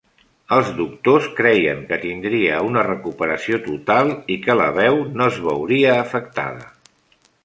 Els doctors creien que tindria una recuperació total i que la veu no es veuria afectada.